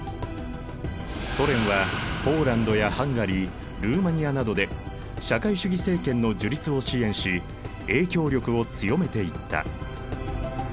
ソ連はポーランドやハンガリールーマニアなどで社会主義政権の樹立を支援し影響力を強めていった。